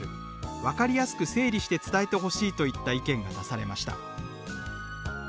分かりやすく整理して伝えてほしい」といった意見が出されました。